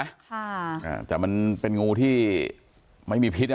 ค่ะอ่าแต่มันเป็นงูที่ไม่มีพิษอ่ะ